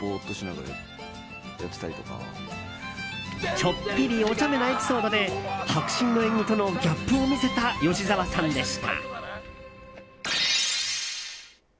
ちょっぴりお茶目なエピソードで迫真の演技とのギャップを見せた吉沢さんでした。